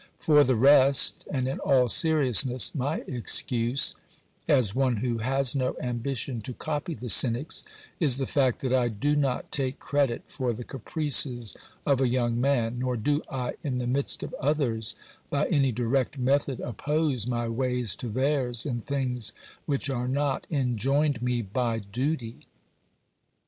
For the rest, and in all seriousness, my excuse, as one who has no ambition to copy the cynics, is the fact that I do not take credit for the caprices of a young man, nor do I, in the midst of others, by any direct method oppose my ways to theirs in things which are not enjoined me by duty.